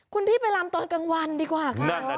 คุณพี่ไปลำตอนกลางวันดีกว่าค่ะ